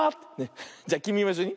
じゃきみもいっしょに。